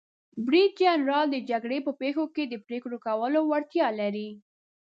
برید جنرال د جګړې په پیښو کې د پریکړو کولو وړتیا لري.